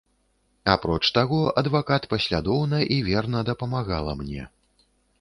Апроч таго, адвакат паслядоўна і верна дапамагала мне.